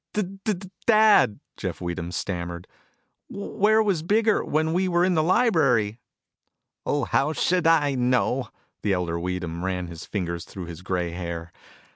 "D d dad," Jeff Weedham stammered, "where was Biggert when we were in the library?" "Oh, how should I know!" The elder Weedham ran his fingers through his gray hair.